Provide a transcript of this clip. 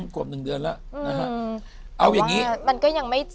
ควบ๑เดือนแล้วเอาอย่างนี้